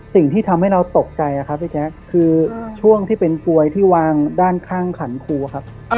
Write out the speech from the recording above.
สิ่งที่ทำให้เราตกใจครับพี่แจ๊คคือช่วงที่เป็นกลวยที่วางด้านข้างขันครูครับ